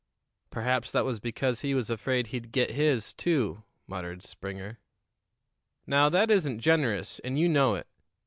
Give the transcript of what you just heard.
"Perhaps that was because he was afraid he'd get his, too," muttered Springer. "Now, that isn't generous, and you know it.